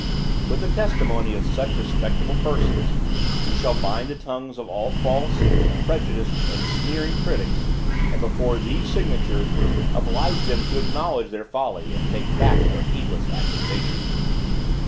With the testimony of such respectable persons, we shall bind the tongues of all false, prejudiced and sneering critics, and, before these signatures, oblige them to acknowledge their folly and take back their heedless accusations.